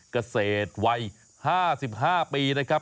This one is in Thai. เกษตรวัย๕๕ปีนะครับ